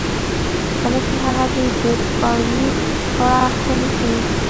کله چې هغه د ګس فارویک په اړه څه لیکي